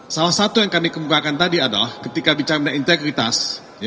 salah satu yang kami kemukakan tadi adalah ketika bicara mengenai integritas